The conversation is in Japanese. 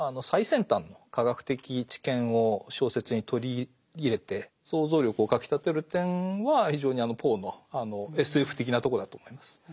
最先端の科学的知見を小説に取り入れて想像力をかきたてる点は非常にポーのＳＦ的なとこだと思います。